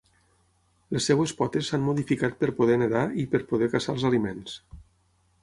Les seves potes s'han modificat per poder nedar i per poder caçar els aliments.